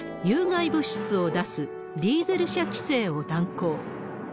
有害物質を出すディーゼル車規制を断行。